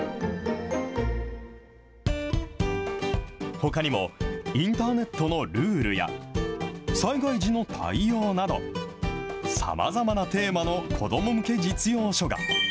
ほかにも、インターネットのルールや、災害時の対応など、さまざまなテーマの子ども向け実用書が。